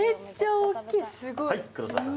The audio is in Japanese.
多いな、黒沢さん。